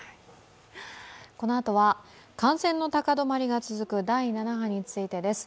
このあとは、感染の高止まりが続く第７波についてです。